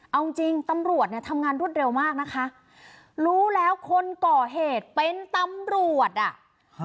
เอาจริงจริงตำรวจเนี่ยทำงานรวดเร็วมากนะคะรู้แล้วคนก่อเหตุเป็นตำรวจอ่ะฮะ